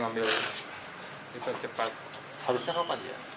harusnya kapan ya